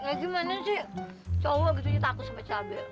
gimana sih cowok gitu takut sama cabai